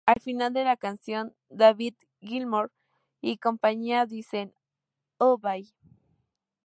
Al final de la canción, David Gilmour y compañía dicen: ¡Oh Bay!